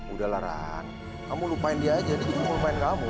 udah lah ran kamu lupain dia aja dia juga mau lupain kamu